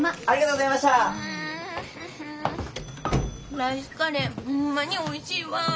うんライスカレーホンマにおいしいわ。